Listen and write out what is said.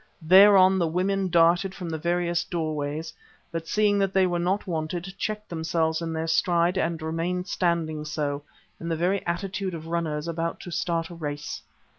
Thereon the women darted from the various doorways, but seeing that they were not wanted, checked themselves in their stride and remained standing so, in the very attitude of runners about to start upon a race.